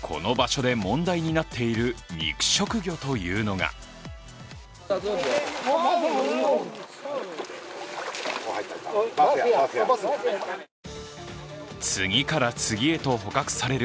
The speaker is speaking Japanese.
この場所で問題になっている肉食魚というのが次から次へと捕獲される